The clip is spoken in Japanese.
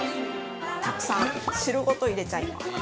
たくさん、汁ごと入れちゃいます。